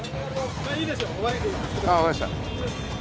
ああわかりました。